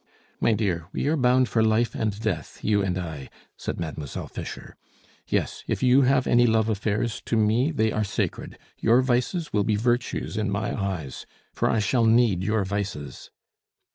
"My dear, we are bound for life and death, you and I," said Mademoiselle Fischer. "Yes, if you have any love affairs, to me they are sacred. Your vices will be virtues in my eyes. For I shall need your vices!"